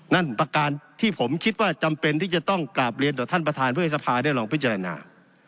ประการที่ผมคิดว่าจำเป็นที่จะต้องกราบเรียนต่อท่านประธานเพื่อให้สภาได้ลองพิจารณา